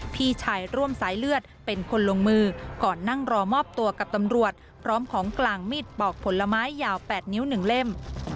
พี่ชายร่วมสายเลือดเป็นคนลงมือก่อนนั่งรอมอบตัวกับตำรวจพร้อมของกลางมีดปอกผลไม้ยาว๘นิ้ว๑เล่ม